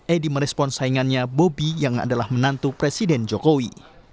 edi merespon saingannya bobi yang adalah menantu presiden jokowi